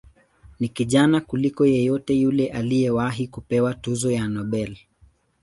Ni kijana kuliko yeyote yule aliyewahi kupewa tuzo ya Nobel.